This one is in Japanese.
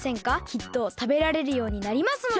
きっとたべられるようになりますので。